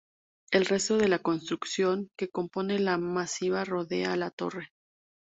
El resto de la construcción que compone la masía rodea a la torre.